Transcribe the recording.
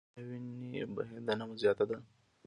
ایا وینې بهیدنه مو زیاته ده؟